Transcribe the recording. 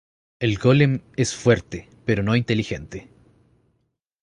El golem es fuerte, pero no inteligente.